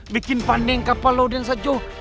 bikin pandeng kapal lo dan sejauh